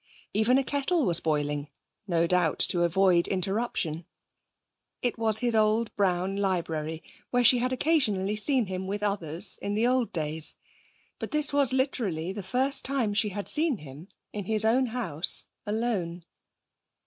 Even a kettle was boiling (no doubt to avoid interruption). It was his old brown library, where she had occasionally seen him with others in the old days. But this was literally the first time she had seen him in his own house alone.